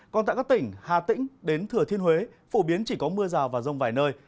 còn tại các tỉnh hà tĩnh đến thừa thiên huế phổ biến chỉ có mưa rào và rông vài nơi